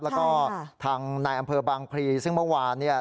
แล้วก็ทางนายอำเภอบางพลีซึ่งเมื่อวานเนี่ย